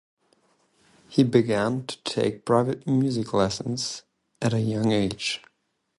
He began to take private music lessons at a young age.